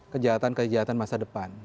kejahatan kejahatan masa depan